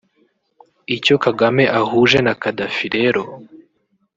Icyo Kagame ahuje na Gaddafi rero